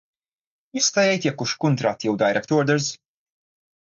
Jista' jgħid jekk hux kuntratt jew direct orders?